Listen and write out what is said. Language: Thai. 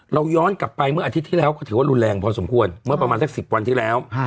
ย้อนกลับไปเมื่ออาทิตย์ที่แล้วก็ถือว่ารุนแรงพอสมควรเมื่อประมาณสัก๑๐วันที่แล้ว